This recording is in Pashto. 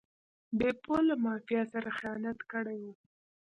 بیپو له مافیا سره خیانت کړی و.